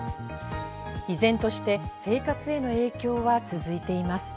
依然として生活への影響は続いています。